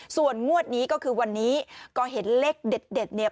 ส่วนงวดนี้ก็คือวันนี้ก็เห็นเลขเด็ดเนี่ย